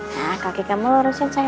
nah kaki kamu lurusin sayang